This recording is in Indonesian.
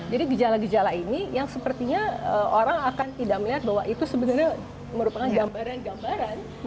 jadi gejala gejala ini yang sepertinya orang akan tidak melihat bahwa itu sebenarnya merupakan gambaran gambaran